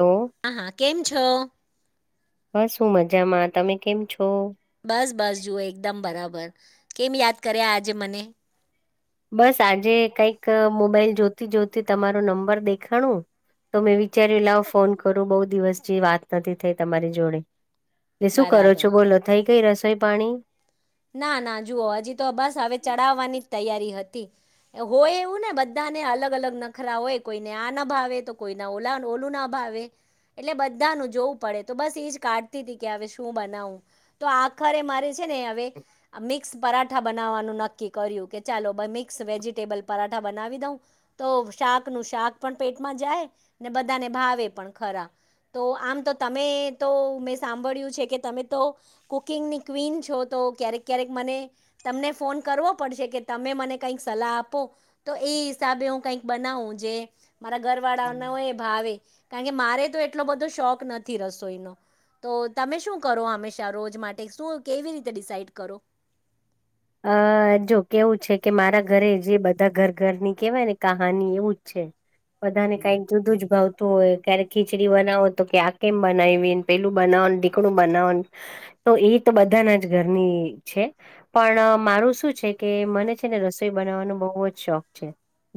લો હા કેમ છો? બસ હું મજામાં, તમે કેમ છો? બસ બસ જુઓ એકદમ બરાબર. કેમ યાદ કર્યા આજે મને? બસ આજે કંઈક મોબાઈલ જોતી જોતી તમારો નંબર દેખાણું તો મે વિચારી લાવ ફોન કરૂ બહુ દિવસ જે વાત નથી થઈ તમારી જોડે. એટલે શું કરો બરાબર છો બોલો થઈ ગઈ રસોઈ પાણી? ના ના જુઓ હજી તો બસ હવે ચડાવવાની જ તૈયારી હતી. હોય એવું ને બધાને અલગ અલગ નખરા હોય કોઈને આ ન ભાવે તો કોઈના ઓલા હો બોલું ના ભાવે. એટલે બધાનું જોવું પડે તો બસ એજ કાઢતી હતી કે હવે શું બનાવું તો આખરે મારે છે ને અવે આ મિક્સ પરાઠા બનાવવાનું નક્કી કર્યું કે ચાલો મિક્સ વેજીિટેબલ પરાઠા બનાવી દઉં. તો શાક નું શાક પણ પેટમાં જાય ને બધાને ભાવે પણ ખરા. તો આમ તો તમે તો મેં સાંભળ્યું છે. કે તમે તો કુકિંગની ક્વીિન છો તો ક્યારેક ક્યારેક મને તમને ફોન કરવો પડશે કે તમે મને કંઈક સલાહ આપો તો એ હિસાબે હું કઈક બનાવું જે મારા ઘર વાળા ના હોય એ ભાવે કારણ કે મારે તો એટલો બધો શોખ નથી રસોઈ નો તો તમે શું કરો હંમેશા રોજ માટે શું કેવી રીતે ડિસાઈડ કરો? અ જો કેવું છે. કે મારા ઘરે જે બધા ઘર ઘરની કેવાય ને કહાની એવું જ છે. બધાને કઈક જુદું જ ભાવતું હોય ક્યારે ખીચડી બનાવો તો કે આ કેમ બનાવીને પેલું બનાવ ઢીકડું બનાવ તો એ તો બધાના જ ઘરની છે. પણ મારું શું છે. કે મને છે, ને રસોઈ બનાવવાનો બહુ જ શોખ છે.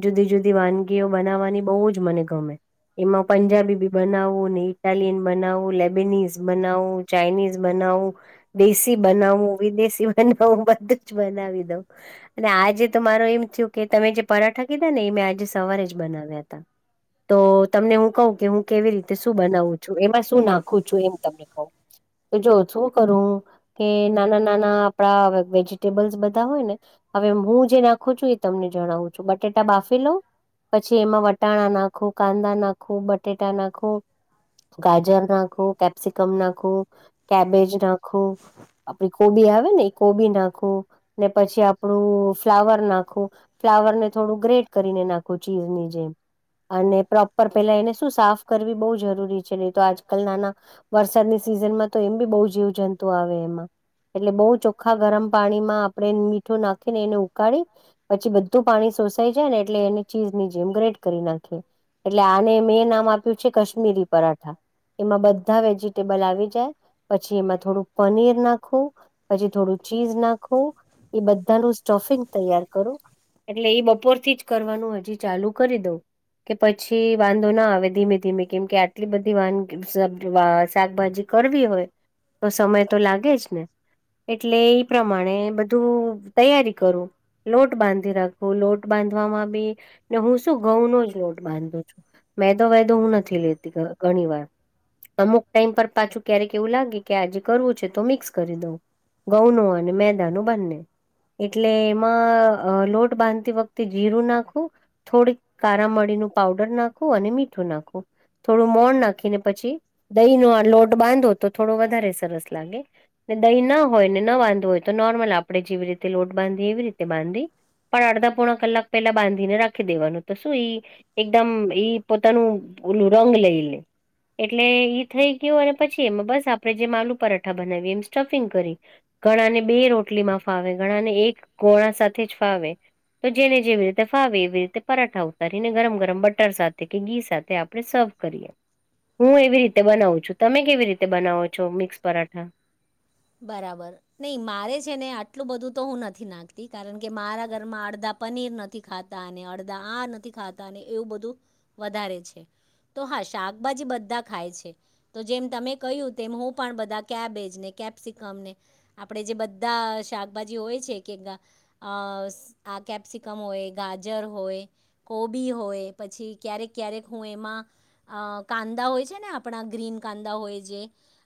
જુદી જુદી વાનગીઓ બનાવવાની બહુ જ મને ગમે એમાં પંજાબી બી બનાવું અનેને ઇટાલિયન બનાવું લેબિનીઝ બનાવું ચાઇનીઝ બનાવું દેશી બનાવ વિદેશ હું બધું જ બનાવી દઉં અને આજે તો મારો એમ થયું કે તમે જે પરાઠા કીધા ને એ મે સવારે જ બનાવ્યા હતા તો તમને હું કહું કે હું કેવી રીતે શું બનાવું છું એમાં શું નાખું છું એમ તમને કહું. તો જો શું કરું કે નાના નાના આપડા વેજીિટેબલ્સ બધા હોય ને હવે હું જે નાખું છું એ તમને જણાવું છું. બટેટા બાફી પછી એમાં વટાણા નાખું કાંદા નાખું બટેટા નાખું ગાજર નાખો કેપ્સિકમ નાખો કેબેજ નાખો આપડી કોબી આવે ને કોબી નાખું ને પછી આપડું ફ્લાવર નાખવું ફ્લાવર ને થોડું ગ્રેડ કરી નાખો ચીજ નની જેમ અને પ્રોપર પેલા એને શું સાફ કરવી બહુ જરૂરી છે, નહી તો આજકાલ નાના વરસાદની સીઝનમાં તો એમ બી બહુ જીવ જંતુ આવે એમાં એટલે બવ ચો આખા ગરમ પાણીમાં આપણેે મીઠું નાખી ને એને ઉકાળી પછી બધું પાણી સોસાઈ જાય ને એટલે અને ચીઝ ની જેમ ગ્રેડ કરી નાખે એટલે આને મેં નામ આપ્યું છે, કાશ્મીરી પરાઠા એમાં બધા વેજીિટેબલ આવી પછી એમાં થોડું પનીર નાખવું પછી ચીઝ નાખો એ બધાનું સ્ટફિંગ તૈયાર કરો એટલે એ બપોરથી જ કરવાનું હજી ચાલુ કરી દઉં કે પછી વાંધો ના આવે ધીમે ધીમે કેમ કે આટલી બધી વાની [unintelligible] અ શાકભાજી કરવી હોય તો સમય તો લાગે જ ને એટલે એ પ્રમાણે બધું તૈયારી કરું લોટ બાંધી રાખું લોટ બાંધવામાં બી ને હું શું ઘઉં નો જ લોટ બાંધું છું. મેદો વૈદો હું નથી લેતી ઘણી વાર અમુક ટાઈમ પર પાછું ક્યારેક એવું લાગે કે આજે કરવું છે તો મિક્સ કરી દઉં ઘઉંનું અને મેદાનું બંને એટલે એમાં લોટ બાંધતી વખતે જીરું નાખવું થોડીક કારા મળી નું પાવડર નાખો અને મીઠું નાખું થોડું મોણ નાખીને પછી દહી નો આ લોટ બાંધો તો થોડો વધારે સરસ લાગે. ને દહીં ના હોય ને ન બાંધવ હોય તો નોર્મલ આપણે જેવી રીતે લોટ બાંધીએ એવી રીતે બાંધી પણ અડધા પોણા કલાક પેલા બાંધીને રાખી દેવાનું તો શું ઈ એકદમ ઈ પોતાનું ઓલું રંગ લઈ લે એટલે ઈ થઈ ગયું અને પછી એમાં બસ આપડે જે મા આલુ પરાઠા બનાવી એમ સ્ટફિંગ ભરી ઘણાને બે રોટલીમાં ફાવે ઘણાને એક ગોળા સાથે જ ફાવે તો જેને જેવી રીતે ફાવે એવી રીતે પરાઠા ઉતારીને ગરમ ગરમ બટર સાથે કે ઘી સાથે આપણે સર્વ કરીએ. હું એવી રીતે બનાવું છું, તમે કેવી રીતે બનાવો છો મિક્સ પરાઠા બરાબર નહી મારે છે ને આટલું બધું તો હું નથી નાખતી કારણ કે મારા ઘરમાં અડધા પનીર નથી ખાતા અને અડદા આ નથી ખાતા અને એવું બધું વધારે છે. તો હા શાકભાજી બધા ખાય છે તો જેમ તમે કહ્યું તેમ હું પણ બધા કેબેજ ને કે સિકમ આપણે જે બધા શાકભાજી હોય છે કે [inaudible] કેપ્સિકમ હોય ગાજર હોય કોબી હોય પછી ક્યારેક ક્યારેક હું એમાં અ કાંદા હોય છે ને આપણા ગ્રીન કાંદા હોય જે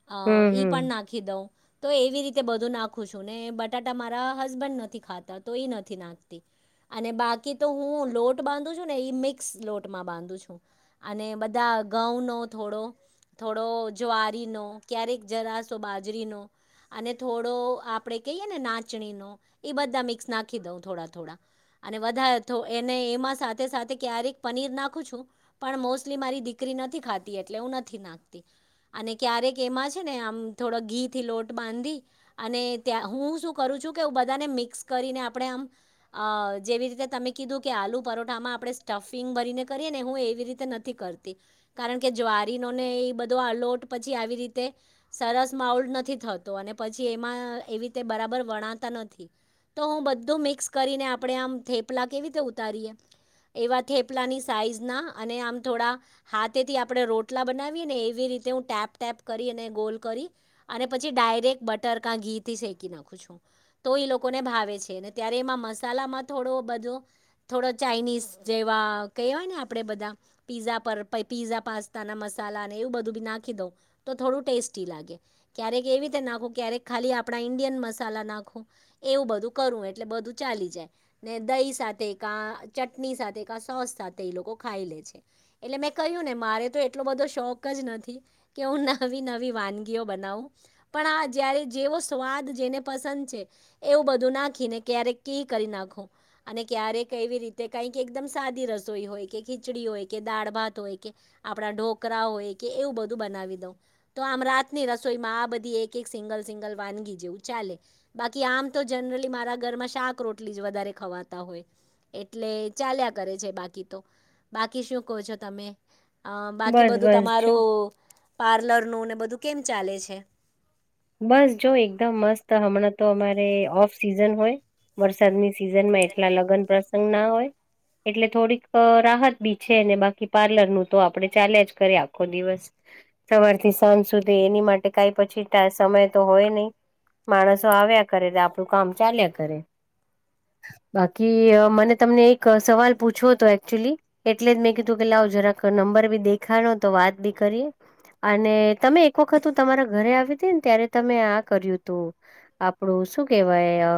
અ હમ ઈ પણ હમ નાખી દંવ એવી રીતે બધું નાખું છું ને બટાટા મારા હસબન્ડ નથી ખાતા તો એ નથી નાખતી અને બાકી તો હું લોટ બાંધું છું ને ઈ મિક્સ લોટમાં બાંધું છું અને બધા ઘઉંનો થોડો થોડો જ્વારીનો ક્યારેક જરાશો બાજરીનો અને થોડો આપડે કહીએ ને નાચણી નો એ બધા મિક્સ નાખી દઉ થોડા થોડા અને વધારે તો એ એ સાથે સાથે ક્યારેક પનીર નાખું છું પણ મોસ્ટલી મારીી કરી નથી ખાતી એટલે હું નથીનાખતી અને ક્યારેક એમાં છે થોડાં ઘી, થી લોટ બાંધી અને ત્યાં હું શું કરું છું કે હું બધાને મિક્સ કરીને આપણે આમ અ જેવી રીતે તમે કીધું કે આલુ પરોઠામાં આપણે સ્ટફિંગ ભરીને કરીએ ને હું એવી રીતે નથી કર તી કારણ કે જ્વારીનોને એ બધો અલોટ પછી આવી રીતે સરસ માઉલ નથી થતો અને પછી એમાં એવી રીતે બરાબર વણાતા નથી તો હું બધું મિક્સ કરીને આપણે આમ થેપલા કેવી રીતે ઉતારીએ એવા થેપલાની સાઈઝ ના અને આમ થોડા હાથેથી આપણે રોટલા બનાવી ને એવી રી હું ટેપટેપ કરી ગોલ કરી અને પછી ડાયરેક્ટ બટર કા ઘી થી શેકી નાખું છું તો એ લોકોને ભાવે છે ને ત્યારે એમાં મસાલામાં થોડો બધો થોડો ચાઈનીઝ જેવા કયને આપણે બધા પિઝા [unintelligible] પીઝા પાસ્તા ના મસાલા એવું બધું નાખી દઉં તો થોડું ટેસ્ટી લાગે ક્યારેક એવી રીતે નાખો ક્યારેક ખાલી આપણા ઈન્ડિયન મસાલા નાખો એવું બધું કરવું એટલે બધું ચા ચાલી જાય ને દહી સાથે કા ચટણી સાથે કા સોસ સાથે એ લોકો ખાઈ લે છે એટલે મેં કહ્યું ને મારે તો એટલો બધો શોખ જ નથી કે હું નવી નવી વાનગીઓ બનાવું પણ આ જ્યારે જેવો સ્વાદ જેને પસંદ છે એવું બધું નાખીને ક્યારે કકી કરી નાખો અને ક્યારેક એવી રીતે ક એકમ સાદી રસોઈ હોય કે ખીચડી હોય કે દાણ ભાત હોય કે આપણા ઢોકરા હોય કે એવું બધું બનાવી દઉ તો આમ રાતની રસોઈમાં બધ એક એક સિંગલ સિંગલ વાનગી જેવું ચાલે બાકી આમ તો જનરલી મારા ઘરમાં શાક રોટલી વધારે ખવાતા હોય એટલે ચાલ્યા કરે છે બાકી તો બાકી શું કહો છો તમે અ બાકી બસ બધું બસ જો તમારું પાર્લર નું ને બધું કેમ ચાલે છે બસ જો એકદમ મસ્ત હમણાં તો અમારે ઓફ સિઝન હોય વરસાદની સિઝન માં એટલા લગ્ન પ્રસંગ ના હોય એટલે થોડીક રાહત બી છે બાકી પાર્લરનું તો આપડે ચાલે્યા જ કરીએ આખો દિવસ સવાર થી સાંજ સુધી એની માટે કઈ પછી સમય તો હોય નહી માણસો આવ્યા કરે તો આપડું કામ ચાલ્યા કરે બાકી મને તમને એક સવાલ પૂછો હતો એકક્ચુલી એટલે જ મેં કીધું કે લા આવ જરા નંબર બી દેખાનો તો વાત બી કરીએ અને તમે એક વખત હું તમારા ઘરે આવી ને ત્યારે તમે આ કર્યું તું આપણું શું કેવાય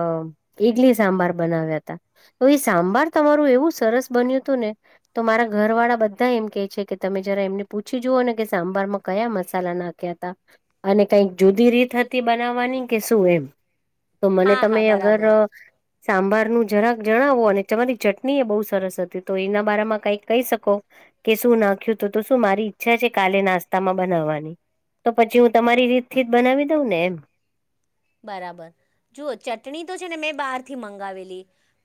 ઈડલી સાંભાર બનાવ્યાતા તો એ સાંભાર તમારું એવું સરસ બન્યું હતું ને તો મારા ઘર વાળા બધા કે છે તમે જરા એમને પૂછી જુઓ ને કે સાંભાર માં કયા મસાલા નાખ્યા હતા અને કંઈક જુદી રીત હતી બનાવવાની કે શું એમ તો મને હા તમે હા અગર બરાબર સાંભારનું જરાક જણાવો અને તમારી ચટણી એ બહુ સરસ હતી તો એના બરાામાં કઈક કહી શકો કે શું નાખ્યું તો તો શું મારી ઈચ્છા છે કાલે નાસ્તા માં બનાવવાની તો પછી હું તમારી રીત થી જ બનાવી દઉં ને એમ બરાબર જુઓ ચટણી તો છે ને મેં બહારથી મંગાવેલી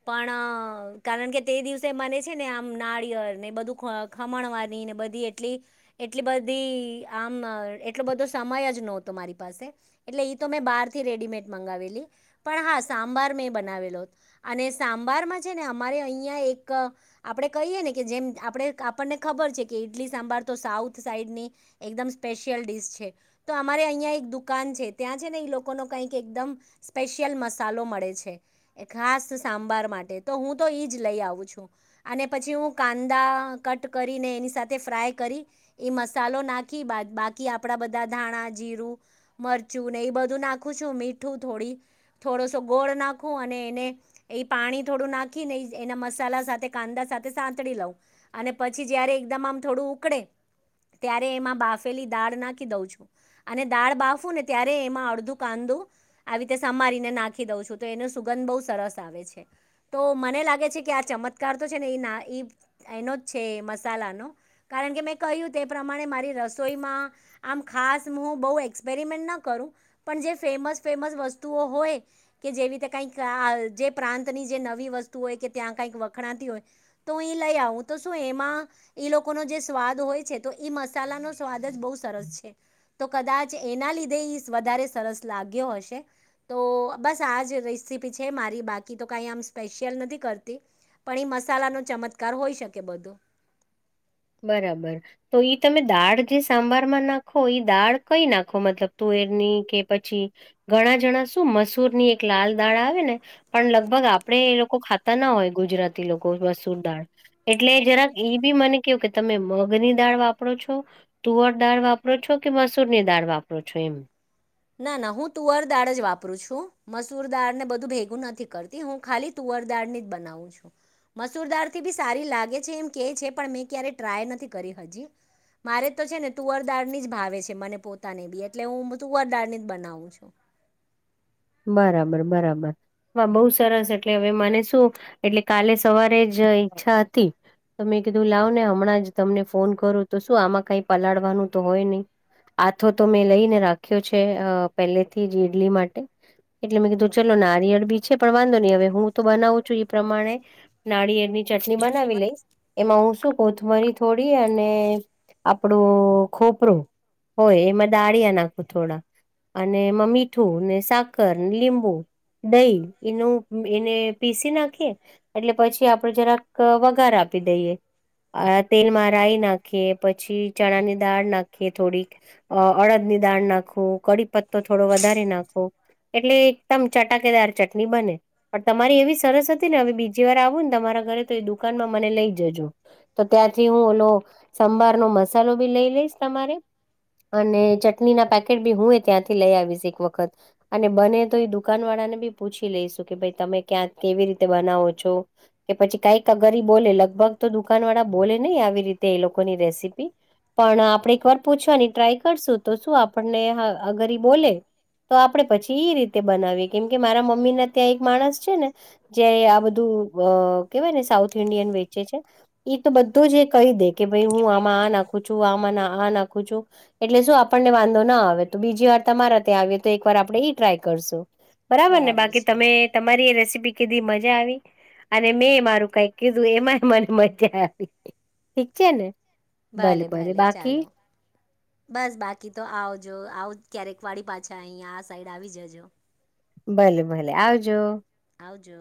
પણ કારણ કે તે દિવસે મને છે ને આમ નાળિયેર ને બધું ખમણવાની ને બધી એટલી એટલી બધી [unintelligible] આમ એટલો બધો સમય જ નહતો મારી પાસે એટલે ઈ તો મેં બાર રેડીમેડ મંગાવેલી પણ હા સાંભાર મેં બનાવેલો અને સાંભારમાં છે ને અમારી અહિયાં એક આપડે કહીએ ને કે જેમ આપણે આપણને ખબર છે કે ઈડલી સાંભાર તો સાઉથ સાઇડની એકદમ સ્પેશિયલ ડિશ છે તો અમારે અહિયાં એક દુકાન છે ત્યાં છે ને ઈ લોકો કોનો કંઈક એકદમ સ્પેશિયલ મસાલો મળે છે ખાસ સાંભાર માટે તો હું તો તો એ જ લઈ આવું છું અને પછી હું કાંદા કટ કરીને એની સાથે ફ્રાય કરી એ મસાલો નાખી બાદ બાકી આપણા બધા ધાણા જીરું મરચું ને એ બધું નાખ [unintelligible] મીઠું થોડી થોડોસો ગોળ નાખું અને એને એ પાણી થોડું નાખીને એના મસાલા સાથે કાંદા સાથે સાંતળી લઉ અને પછી જયારે એકદમ આમ થોડું ઉકળે ત્યારે એમાં બાફેલી દાળ નાખી દઉં છું અને દાળ બાફું ને ત્યારે એમાં અડધું કાંદો આવી રીતે સમારીને નાખી દઉં છું તો એનું સુગંધ બવ સરસ આવે છે તો મને [unintelligible] લાગે છે કે આ ચમત્કાર તો છે ને એનો જ છે મસાલાનો કારણ કે મેં ક તે પ્રમાણે મારી રસોઈમાં આમ ખાસ હું બ એક્સપેરમેન્ટ ના કરું પણ જે ફેમસ ફેમસ વસ્તુઓ હોય કે જેવી રીતે કઈક જે પ્રાંતની જે નવીત વસ્તુ હોય કે ત્યાં કઈક વખણાતી હોય તો એ લઈ આવું તો શું એમાં એ લોકો ન જે સ્વાદ હોય છે તો એ મસાલા ન સ્વાદ જ બહ સરસ છે તો કદાચ એના લીધે વધારે સરસ લાગ હશે તો બસ આ જ રેસીપી છે મારી બાકી તો કઈ આમ સ્પેશિયલ નથી કરતી પણ એ મસાલા નો ચમત્કાર હોય શકે બધો [inaudible] [inaudible] બરાબર તો ઈ તમે દાળ જે સાંભારમાં નાખો ઈ દાળ કઈ નાખો મતલબ ત ની કે પછી ઘણા જણા શું મસૂર ની એક લાલ દાળ આવે ને પણ લગભગ આપડે એ લોકો ખાતા ના હોય ગુજરાતી લોકો વસુર દાળ એટલે જરાક એ બી મને કે કે તમે મગ ની દાળ વાપરો છો તુવર દાળ વાપરો છો કે મસૂર ની દાળ વાપરો છો હમ્મ ના ના હું તુઅર દાળ જ વાપરું છું મસૂર દાળ ને બધું ભેગું નથી કરતી હું ખાલી તુર તુંવરદાડ ની જ બનાવું છું મસૂરદાર થી બી સારી લાગે છે એમ કે છે પણ મેં ક્યારે ટ્રાય નથી કરી હજી મારે તો છે ને તુવરદાાર ની જ ભાવે છે મને પોતાને બી એટલે હું ઉવા દાની બનાવું છું બરાબર બરાબર હા બહ સરસ એટલે હવે મને શું એટલે કાલે સવારે જ જો ઈચ્છા હતી તમે કીધું લાવ ને હમણાં જ તમને ફોન કરો તો શું આમાં કંઈ પલાળવાનું તો હોય નહી આથો તો મેં લઈને રાખ્યો છે પહેલે થી જ ઈડલી માટે એટલે મેં કીધું ચલો નારિયેળ બી છે પણ વાંધો નહી હવે હું તો બનાવું છું એ પ્રમાણે નારિયેળ ની ચટણી બનાવી લઈશ એમાં હું શું કોથમરી થોડી અને આપણું ખોપરોું હોય એમાં દાળીિયા નાખું થોડા અને એમાં મીઠું ને શાક કર લીંબુ દહી એનું એને પીસી નાખીએ એટલે પછી આપડે જરાક વગાર આપી આપી દઈએ આ તેલમાં રઈ નાખીએ પછી ચણાની દાળ નાખીએ થોડીક અડદ દાળ નાખો કડી પત્તો થોડો વધારે નાખો એટલે એકદમ ચટાકેદાર ચટણી બને પણ તમારી એવી સરસ હતી ને હવે બીજી વાર આવું ને તમારા ઘરેથી દુકાનમાં મને લઈ જજો તો ત્યાંથી હું ઓલો સંભાર નો મસાલો બી લ લ લઈશ તમારે અને ચટણી ના પેકેટ બી હું એ ત્યાંથી લઈ આવીશ એક વખત અને બને તો એ દુકાન વાળા ને બી પૂછી લઈશું કે ભાઈ તમે ક્યાં કેવી રીતે બનાવો છો કે પછી કઈક અગરી બોલે લગભગ તો દુકાન વાળા બોલે નહી આવી રીતે એ લોકોની રેસીપી પણ આપણે એક વાર પૂછવાની ટ્રાય કરશું તો શું આપણને અગરી બોલે તો આપડે પછી એ રીતે બનાવીએ કેમ કે મારા મમ્મી ના ત્યાં એક માણસ છે ને જે આ બધું અ કેવાય ને સાઉથ ઇન્ડિયન વેચે છે તો બધો જ કહી દે કે ભાઈ હું આમાં આ નાખું છું આમાં આનાખુંછું એટલેું આપને વાંધો ના આવે તો બીજી વાર તમારા તો વાર પડે બી ટ્રાય કરશું બરાબર ને બાકી તમે તમારી રેસીપ તી કીધી મજા આવી અને મેં મારું કઈ કીધું એમાં મને મજા આવી ઠીક છે ને ભલે ભલે બાકી બસ બાકી તો આવજો આવ ક્યારેક વાડી પાછા અહીયા આ સાઈડ આવી જજો ભલે ભલે આવજો આવજો